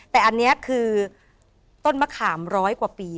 แต่อันนี้คือต้นมะขามร้อยกว่าปี